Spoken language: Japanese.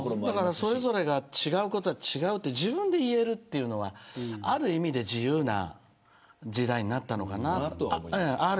それぞれが、違うことは違うと自分で言えるのはある意味で自由な時代になったのかなと。